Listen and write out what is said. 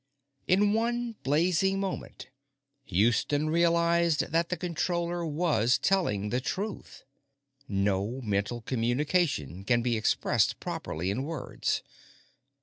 _ In one blazing moment, Houston realized that the Controller was telling the truth! No mental communication can be expressed properly in words.